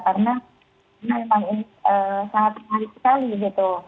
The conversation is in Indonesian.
karena memang ini sangat terjadi sekali gitu